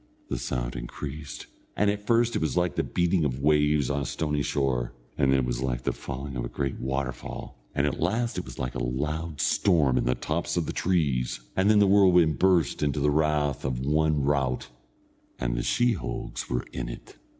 The sound increased, and at first it was like the beating of waves on a stony shore, and then it was like the falling of a great waterfall, and at last it was like a loud storm in the tops of the trees, and then the whirlwind burst into the rath of one rout, and the sheehogues were in it.